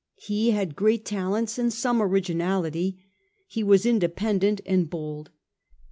He had great talents and some originality; he was independent and bold.